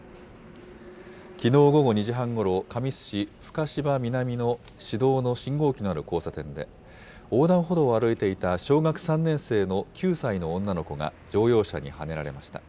きのう午後２時半ごろ、神栖市深芝南の市道の信号機のある交差点で、横断歩道を歩いていた小学３年生の９歳の女の子が乗用車にはねられました。